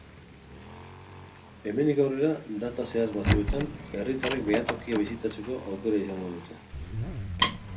Hemendik aurrera, data zehatz batzuetan, herritarrek behatokia bisitateko aukera izango dute.